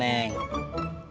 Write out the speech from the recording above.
bang deddy belum tuntut